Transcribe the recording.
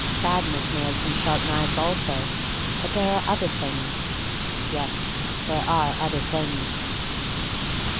Badness may have some sharp knives also — but there are other things. Yes, there are other things.